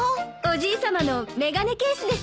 おじいさまの眼鏡ケースです。